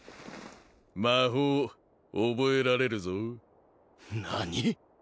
魔法覚えられるぞ何？